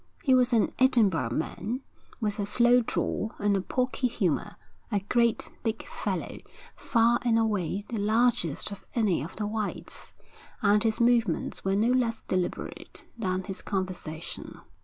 He was an Edinburgh man, with a slow drawl and a pawky humour, a great big fellow, far and away the largest of any of the whites; and his movements were no less deliberate than his conversation.